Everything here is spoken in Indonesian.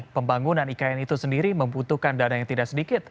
pembangunan ikn itu sendiri membutuhkan dana yang tidak sedikit